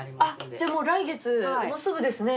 じゃもう来月もうすぐですね。